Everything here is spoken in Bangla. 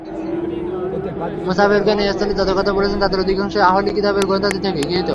মুফাসসিরগণ এ স্থলে যত কথা বলেছেন, তার অধিকাংশই আহলি কিতাবদের গ্রন্থাদি থেকে গৃহীত।